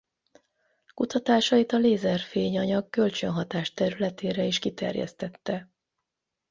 Kutatásait a lézerfény-anyag kölcsönhatás területére is kiterjesztette.